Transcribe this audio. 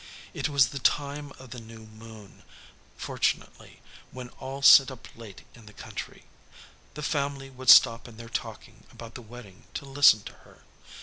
It was the time of the new moon, fortunately, when all sit up late in the country. The family would stop in their talking about the wedding to listen to her.